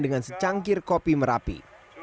dengan secangkir kopi merapi